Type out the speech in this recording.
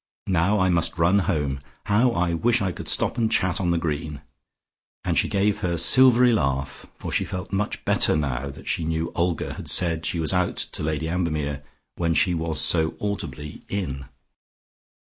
Now I must run home. How I wish I could stop and chat on the green!" And she gave her silvery laugh, for she felt much better now that she knew Olga had said she was out to Lady Ambermere, when she was so audibly in.